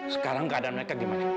sekarang keadaan mereka gimana